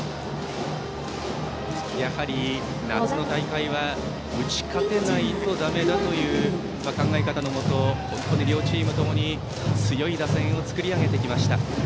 やはり夏の大会は打ち勝てないとだめだという考え方のもと、両チームともに強い打線を作り上げてきました。